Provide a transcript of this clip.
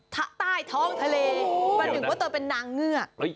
ใต้ท้องทะเลบรรยุงว่าตัวเป็นนางเงือก